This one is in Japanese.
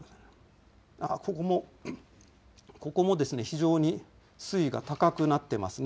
ここも非常に水位が高くなってますね。